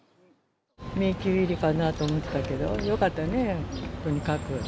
迷宮入りかなと思ってたけど、よかったね、とにかく。